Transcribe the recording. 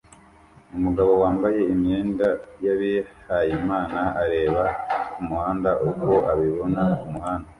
umugabo wambaye imyenda y'abihayimana areba kumuhanda uko abibona kumuhanda